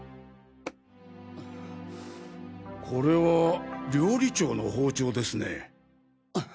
これは料理長の包丁ですね。